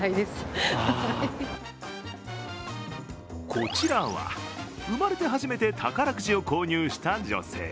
こちらは生まれて初めて宝くじを購入した女性。